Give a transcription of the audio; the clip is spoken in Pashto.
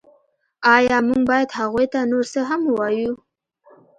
ایا موږ باید هغوی ته نور څه هم ووایو